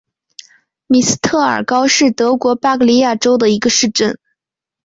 米斯特尔高是德国巴伐利亚州的一个市镇。